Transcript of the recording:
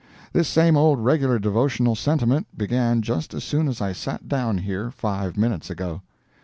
This same old regular devotional sentiment began just as soon as I sat down here five minutes ago.